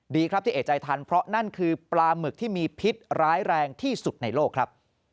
ดีครับที่เอกใจทันเพราะนั่นคือปลาหมึกที่มีพิษร้ายแรงที่สุดในโลกครับ